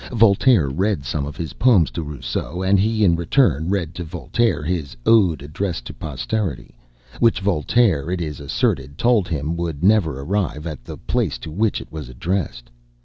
Voltaire read some of his poems to Rousseau, and he in return read to Voltaire his "Ode addressed to Posterity," which Voltaire, it is asserted, told him would never arrive at the place to which it was addressed.